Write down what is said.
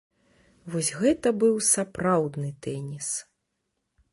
Вось гэта быў сапраўдны тэніс!